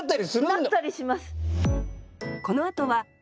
なったりします。